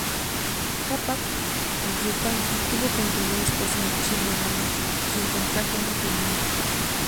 Cápac Yupanqui tuvo como primera esposa a Chimbo Mama, quien contrajo una enfermedad.